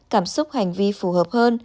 cảm xúc hành vi phù hợp hơn